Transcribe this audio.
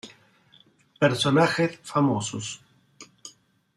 Personajes famosos